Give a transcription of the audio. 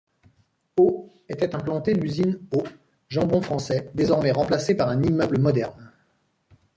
Aux était implantée l'usine Aux Jambons Français, désormais remplacée par un immeuble moderne.